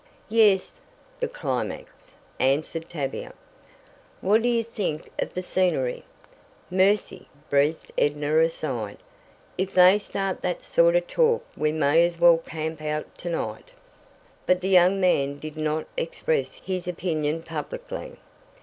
"Yes, the climax," answered Tavia. "What do you think of the scenery?" "Mercy!" breathed Edna aside. "If they start that sort of talk we may as well camp out to night." But the young man did not express his opinion publicly.